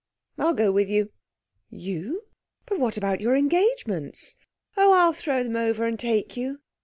"I'll go with you." "You? But what about your engagements?" "Oh, I'll throw them over, and take you.